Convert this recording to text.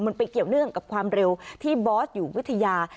มันไปเกี่ยวเนื่องกับความเร็วที่บอสอยู่วิทยา